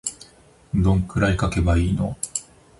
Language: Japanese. どんくらい書けばいいの